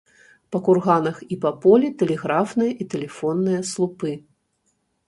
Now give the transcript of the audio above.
Па курганах і па полі тэлеграфныя і тэлефонныя слупы.